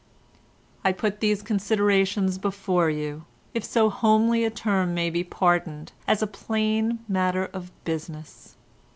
"I put these considerations before you, if so homely a term may be pardoned, as a plain matter of business.